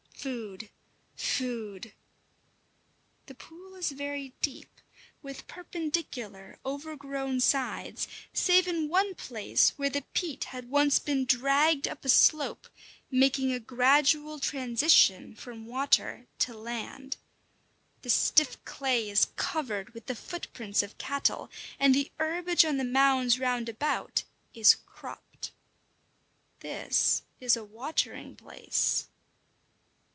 Food! Food! The pool is very deep, with perpendicular, overgrown sides, save in one place where the peat had once been dragged up a slope, making a gradual transition from water to land. The stiff clay is covered with the foot prints of cattle, and the herbage on the mounds round about is cropped. This is a watering place.